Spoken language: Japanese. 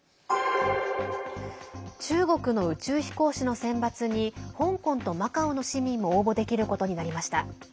中国の宇宙飛行士の選抜に香港とマカオの市民も応募できることになりました。